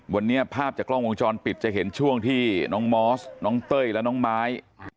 วันนี้ภาพจากกล้องวงจรปิดจะเห็นช่วงที่น้องมอสน้องเต้ยและน้องไม้